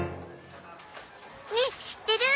ねえ知ってる？